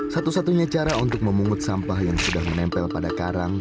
satu satunya cara untuk memungut sampah yang sudah menempel pada karang